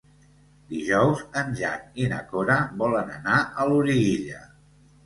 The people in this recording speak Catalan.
Dijous en Jan i na Cora volen anar a Loriguilla.